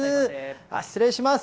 失礼します。